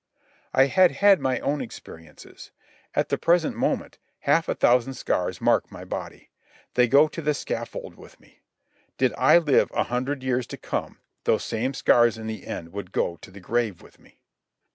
I had had my own experiences. At the present moment half a thousand scars mark my body. They go to the scaffold with me. Did I live a hundred years to come those same scars in the end would go to the grave with me.